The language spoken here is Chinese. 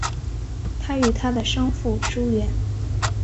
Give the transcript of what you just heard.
他与他的生父疏远。